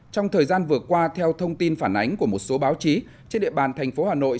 trong thời gian vừa qua theo thông tin phản ánh của một số báo chí trên địa bàn thành phố hà nội